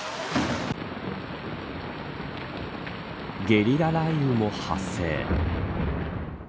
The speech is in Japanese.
ゲリラ雷雨も発生。